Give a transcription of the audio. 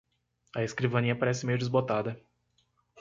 A escrivaninha parece meio desbotada